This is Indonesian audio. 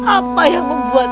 apa yang membuat